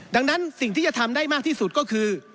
ดังนั้นสิ่งที่จะทำได้มากที่สุดก็คือ